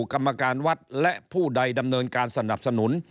กรรมการวัดและผู้ใดดำเนินการสนับสนุน